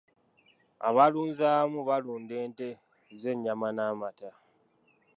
Abalunzi abamu balunda ente z'ennyama n'amata.